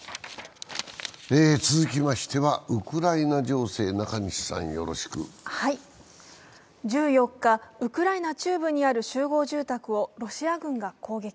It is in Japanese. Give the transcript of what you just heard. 続きましては、ウクライナ情勢です１４日、ウクライナ中部にある集合住宅をロシア軍が攻撃。